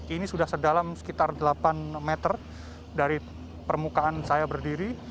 ini sudah sedalam sekitar delapan meter dari permukaan saya berdiri